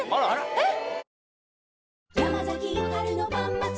えっ！